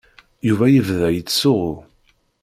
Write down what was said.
Yuba yebda yettsuɣu.